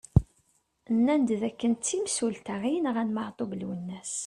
Nnan-d d akken d imsulta i yenɣan Maɛtub Lwennas.